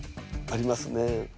ありますね。